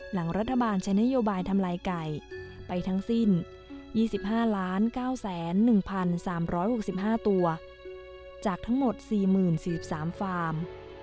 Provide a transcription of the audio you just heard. หลังรัฐบาลใช้นโยบายทำลายไก่ไปทั้งสิ้น๒๕๙๑๓๖๕ตัวจากทั้งหมด๔๐๔๓ฟาร์ม